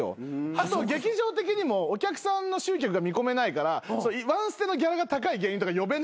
あと劇場的にもお客さんの集客が見込めないからワンステのギャラが高い芸人とか呼べないんですよ。